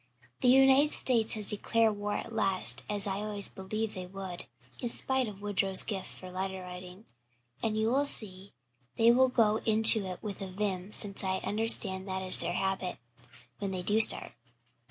"The United States has declared war at last, as I always believed they would, in spite of Woodrow's gift for letter writing, and you will see they will go into it with a vim since I understand that is their habit, when they do start.